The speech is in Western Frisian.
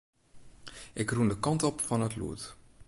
Ik rûn de kant op fan it lûd.